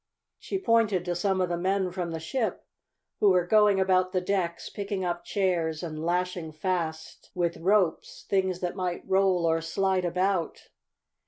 She pointed to some of the men from the ship, who were going about the decks, picking up chairs and lashing fast, with ropes, things that might roll or slide about.